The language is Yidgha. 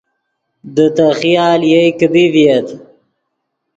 دے تے خیال یئے کیدی ڤییت